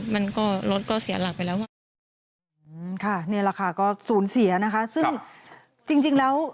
มันก็รถก็เสียหลักไปแล้วอ่ะค่ะนี่แหละค่ะก็สูญเสียนะคะซึ่งจริงจริงแล้ว